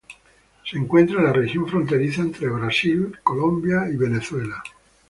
Se encuentra en la región fronteriza entre Brasil, Colombia y Venezuela.